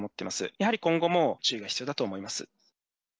やはり今後も注意が必要だと思います。